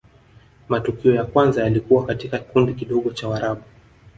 matukio ya kwanza yalikuwa katika kikundi kidogo cha warabu